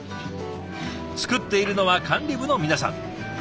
作っているのは管理部の皆さん。